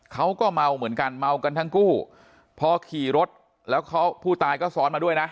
เขาก็เมาเหมือนกันเมากันทั้งคู่พอขี่รถแล้วเขาผู้ตายก็ซ้อนมาด้วยนะ